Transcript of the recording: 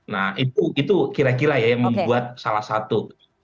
nah itu kira kira ya yang membuat salah satu